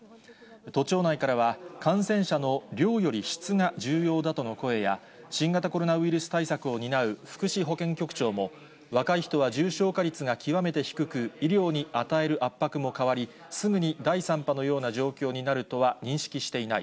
都庁内からは、感染者の量より質が重要だとの声や、新型コロナウイルス対策を担う福祉保健局長も、若い人は重症化率が極めて低く、医療に与える圧迫もかわり、すぐに第３波のような状況になるとは認識していない。